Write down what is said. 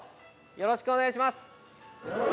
よろしくお願いします